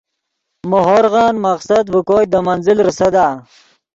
مو ہورغن مقصد ڤے کوئے دے منزل ریسدا